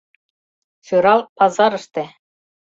Сӧрал — пазарыште.